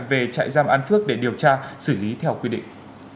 về trại giam an phước để điều tra xử lý theo quy định